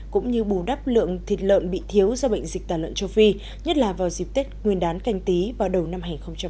cũng như bù đắp lượng thịt lợn bị thiếu do bệnh dịch tàn lợn châu phi nhất là vào dịp tết nguyên đán canh tí vào đầu năm hai nghìn hai mươi